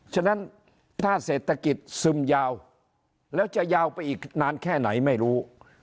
ฉะนั้นถ้าเศรษฐกิจซึมยาวแล้วจะยาวไปอีกนานแค่ไหนไม่รู้